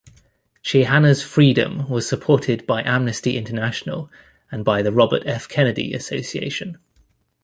Chihana's freedom was supported by Amnesty International and by the Robert F. Kennedy Association.